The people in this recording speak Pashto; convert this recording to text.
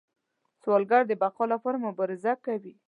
سوالګر د بقا لپاره مبارزه کوي